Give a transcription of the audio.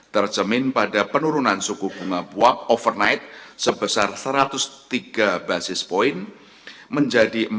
tercermin pada penurunan suku bunga buang overnight sebesar satu ratus tiga basis point menjadi empat delapan puluh satu persen